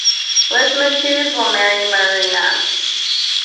Lysimachus will marry Marina.